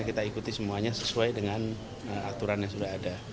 kita ikuti semuanya sesuai dengan aturan yang sudah ada